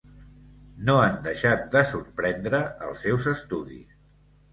No han deixat de sorprendre els seus estudis.